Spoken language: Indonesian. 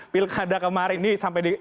pilkada kemarin ini sampai